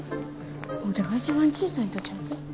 ワテが一番小さいんとちゃうか？